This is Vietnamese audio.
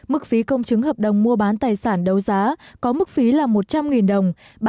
mức phí công chứng hợp đồng mua bán tài sản đấu giá có mức phí là một trăm linh đồng